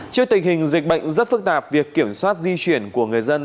trước tình hình dịch bệnh rất phức tạp việc kiểm soát di chuyển của người dân